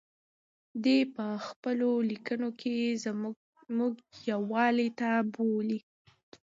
دی په خپلو لیکنو کې موږ یووالي ته بولي.